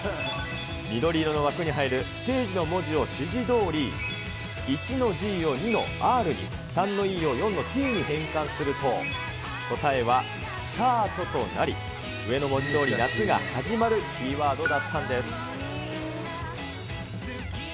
緑色の枠に入るＳＴＡＧＥの文字を指示どおり、１のＧを２のＲに、３のＥを４のＴに変換すると、答えはＳＴＡＲＴとなり、上の文字どおり、夏が始まるキーワードだったんです。